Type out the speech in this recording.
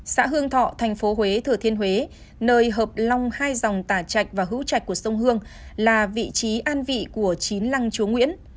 xã hương thọ thành phố huế thừa thiên huế nơi hợp long hai dòng tả trạch và hữu trạch của sông hương là vị trí an vị của chín lăng chúa nguyễn